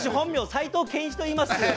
齊藤健一といいます。